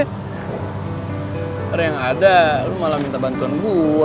karena yang ada lo malah minta bantuan gue